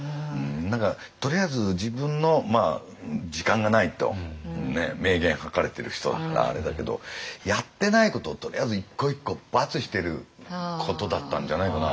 何かとりあえず自分の時間がないと明言書かれてる人だからあれだけどやってないことをとりあえず一個一個バツしてることだったんじゃないかな。